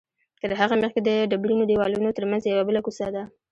تر هغې مخکې د ډبرینو دیوالونو تر منځ یوه بله کوڅه ده.